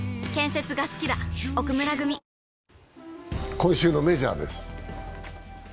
今週のメジャーです。